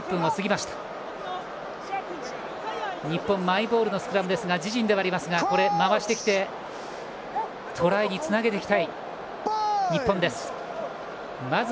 日本マイボールのスクラムですが自陣ですが回していってトライにつなげていきたい日本。